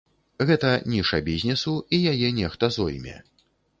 Гэта ніша бізнесу і яе нехта зойме.